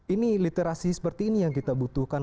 ini literasi seperti ini yang kita butuhkan